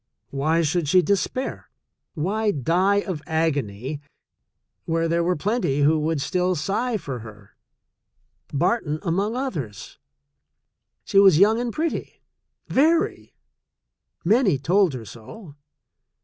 Why should she despair? Why die of agony where there were plenty who would still sigh for her — Barton among others? She was young, pretty, very — many told her so.